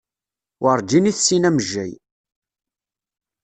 Werǧin i tessin amejjay.